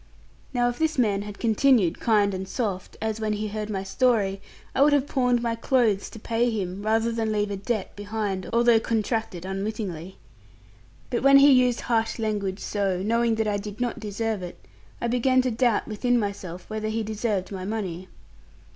Now, if this man had continued kind and soft, as when he heard my story, I would have pawned my clothes to pay him, rather than leave a debt behind, although contracted unwittingly. But when he used harsh language so, knowing that I did not deserve it, I began to doubt within myself whether he deserved my money.